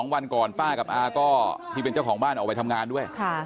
วันก่อนป้ากับอาก็ที่เป็นเจ้าของบ้านออกไปทำงานด้วย